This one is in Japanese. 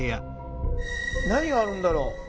何があるんだろう。